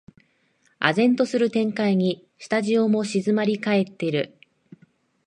唖然とする展開にスタジオも静まりかえってる